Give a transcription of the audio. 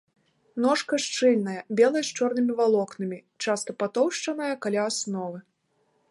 Ножка шчыльная, белая з чорнымі валокнамі, часта патоўшчаная каля асновы.